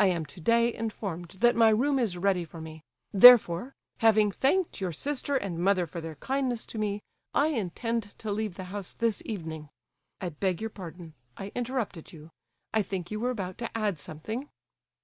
I am today informed that my room is ready for me; therefore, having thanked your sister and mother for their kindness to me, I intend to leave the house this evening. I beg your pardon—I interrupted you—I think you were about to add something?"